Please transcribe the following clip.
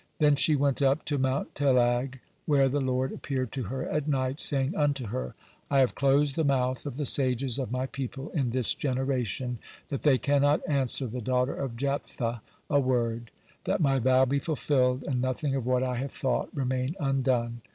Then she went up to Mount Telag, where the Lord appeared to her at night, saying unto her: "I have closed the mouth of the sages of my people in this generation, that they cannot answer the daughter of Jephthah a word; that my vow be fulfilled and nothing of what I have thought remain undone.